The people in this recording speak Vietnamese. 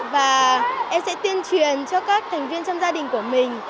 và em sẽ tuyên truyền cho các thành viên trong gia đình của mình